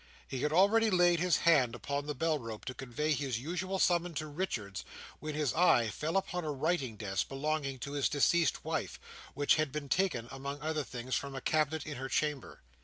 He had already laid his hand upon the bellrope to convey his usual summons to Richards, when his eye fell upon a writing desk, belonging to his deceased wife, which had been taken, among other things, from a cabinet in her chamber.